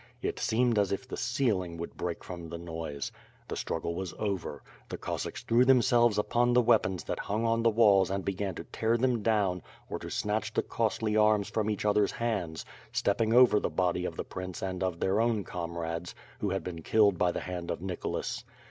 It seemed as if the ceiling would break from the noise. The struggle was over; the Cossacks threw themselves upon the weapons that hung on the walls and began to tear them down, or to snatch the costly arms from each other's hands, stepping over the body of the prince and of their own com rades, who had been killed by the hand of Nicholas.